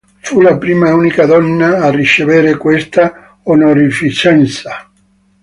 Fu la prima e unica donna a ricevere questa onorificenza.